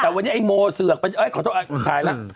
แต่วันนี้ไอ้โมเสือกไปขอโทษถ่ายแล้ว